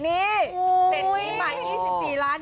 นี่เสร็จที่ใหม่ที่๑๔ล้าน